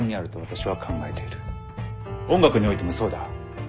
音楽においてもそうだ。